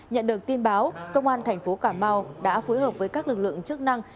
nhận được tin báo công an thành phố cà mau đã phối hợp với các lực lượng chức năng